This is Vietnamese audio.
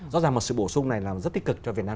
rõ ràng một sự bổ sung này là rất tích cực cho việt nam